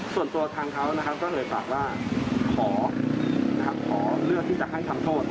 ส่วนตัวทางเขานะครับก็เลยฝากว่าขอเลือกที่จะให้ทำโทษ